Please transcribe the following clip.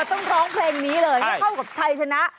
ต้องร้องเพลงนี้เลยให้เข้ากับชัยชนะ